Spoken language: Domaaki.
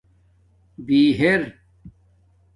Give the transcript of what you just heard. بِہر